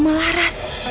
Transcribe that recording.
aku ngelakain omelaras